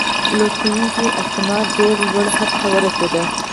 لوټونکی استثمار ډیر لوړ حد ته ورسید.